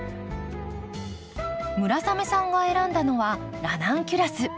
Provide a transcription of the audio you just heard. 村雨さんが選んだのはラナンキュラス。